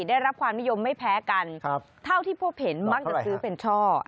ได้รับความนิยมไม่แพ้กันเท่าที่พบเห็นมักจะซื้อเป็นช่อ